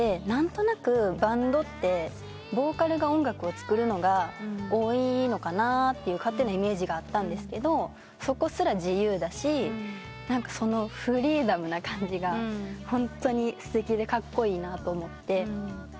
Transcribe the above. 何となくバンドってボーカルが音楽を作るのが多いのかなって勝手なイメージがあったんですけどそこすら自由だしそのフリーダムな感じがホントにすてきでカッコイイなと思って。